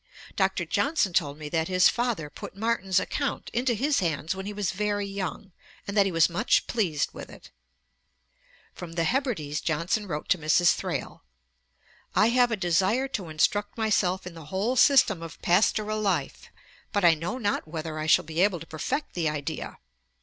Dr. Johnson told me that his father put Martin's account into his hands when he was very young, and that he was much pleased with it.' Post, v. 13. From the Hebrides Johnson wrote to Mrs. Thrale: 'I have a desire to instruct myself in the whole system of pastoral life; but I know not whether I shall be able to perfect the idea.